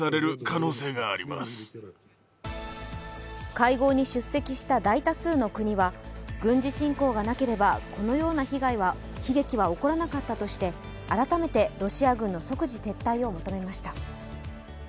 会合に出席した大多数の国は軍事侵攻がなければこのような悲劇は起こらなかったとして改めてロシア軍の即時撤退を求めました。